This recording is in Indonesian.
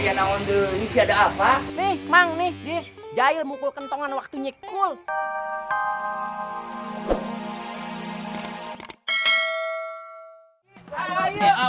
di mana mending sih ada apa nih mang nih jahil mukul kentongan waktunya cool